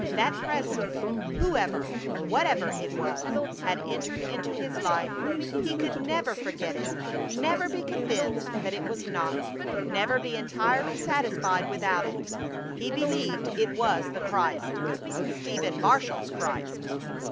That Presence, Whoever, Whatever it was, had entered into his life. He could never forget it; never be convinced that it was not; never be entirely satisfied without it! He believed it was the Christ! Stephen Marshall's Christ!